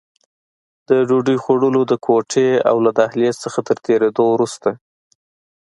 د ډوډۍ خوړلو د کوټې او له دهلېز څخه تر تېرېدو وروسته.